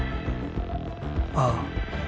ああ。